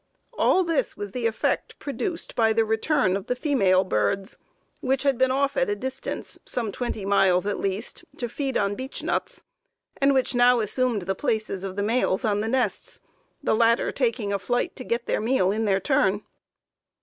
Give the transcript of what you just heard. All this was the effect produced by the return of the female birds, which had been off at a distance, some twenty miles at least, to feed on beechnuts, and which now assumed the places of the males on the nests; the latter taking a flight to get their meal in their turn.